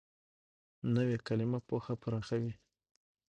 نوې کلیمه پوهه پراخوي